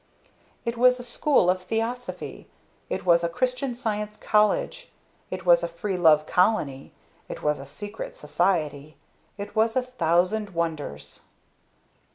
It was a School of Theosophy; it was a Christian Science College; it was a Free Love Colony; it was a Secret Society; it was a thousand wonders.